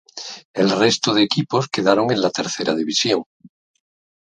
El resto de equipos quedaron en la Tercera división.